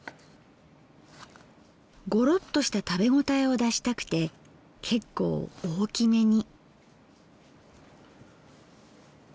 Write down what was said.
ゴロッとした食べ応えを出したくて結構大きめに。